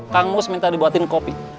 kang mus minta dibuatin kopi